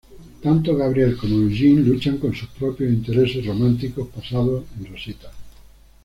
Tanto Gabriel como Eugene luchan con sus propios intereses románticos pasados en Rosita.